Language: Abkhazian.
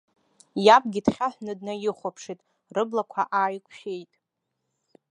Иабгьы дхьаҳәны днаиҳәаԥшит, рыблақәа ааиқәшәеит.